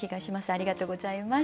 ありがとうございます。